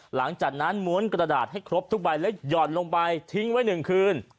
หลังจากนั้นม้วนกระดาษให้ครบทุกใบแล้วหย่อนลงไปทิ้งไว้๑คืน